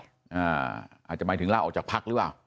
อาจจะหมายถึงลาออกจากพักหรือเปล่า